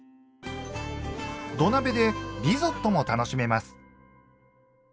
土鍋でリゾットも楽しめます。